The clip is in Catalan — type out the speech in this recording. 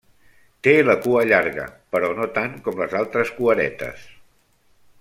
Té la cua llarga, però no tant com les altres cueretes.